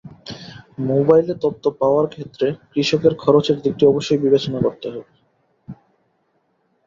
মোবাইলে তথ্য পাওয়ার ক্ষেত্রে কৃষকের খরচের দিকটি অবশ্যই বিবেচনা করতে হবে।